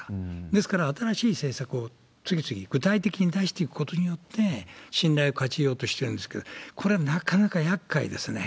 ですから、新しい政策を次々具体的に出していくことによって信頼を勝ち得ようとしてるんですけど、これはなかなかやっかいですね。